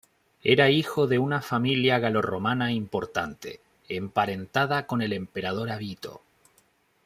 Era hijo de una familia galorromana importante, emparentada con el emperador Avito.